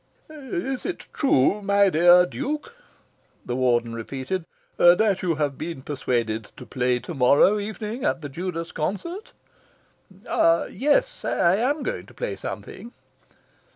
"Is it true, my dear Duke," the Warden repeated, "that you have been persuaded to play to morrow evening at the Judas concert?" "Ah yes, I am going to play something."